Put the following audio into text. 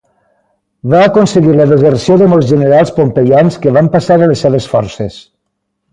Va aconseguir la deserció de molts generals pompeians que van passar a les seves forces.